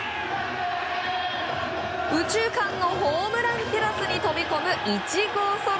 右中間のホームランクラスに飛び込む１号ソロ。